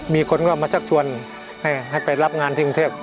มีคนก็มาชักชวนให้ไปรับงานที่กรุงเทพ